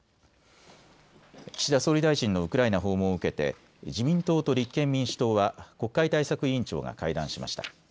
岸田総理大臣のウクライナ訪問を受けて自民党と立憲民主党は国会対策委員長が会談しました。